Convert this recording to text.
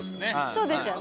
そうですよね。